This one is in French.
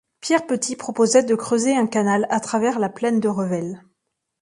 Pierre Petit proposait de creuser un canal à travers la plaine de Revel.